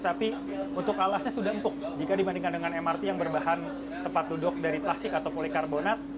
tapi untuk alasnya sudah empuk jika dibandingkan dengan mrt yang berbahan tempat duduk dari plastik atau polikarbonat